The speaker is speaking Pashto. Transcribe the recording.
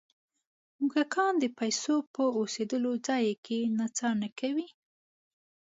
موږکان د پیسو په اوسېدلو ځای کې نڅا نه کوي.